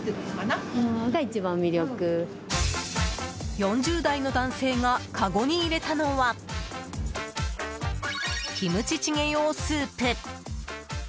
４０代の男性がかごに入れたのはキムチチゲ用スープ。